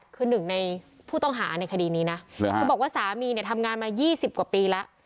คือหนึ่งในผู้ต้องหาในคดีนี้นะคือบอกว่าสามีเนี่ยทำงานมา๒๐กว่าปีแล้ว